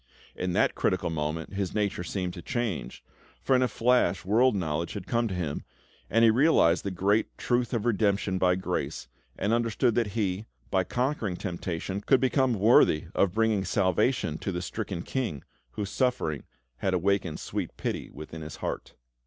In that critical moment, his nature seemed to change, for, in a flash, world knowledge had come to him, and he realised the great truth of redemption by grace, and understood that he, by conquering temptation, could become worthy of bringing salvation to the stricken King, whose sufferings had awakened sweet pity within his heart.